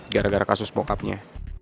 gara gara kasus bokapnya